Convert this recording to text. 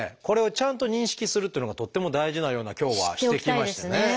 これをちゃんと認識するっていうのがとっても大事なような今日はしてきましたね。